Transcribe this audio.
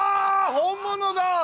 本物だ。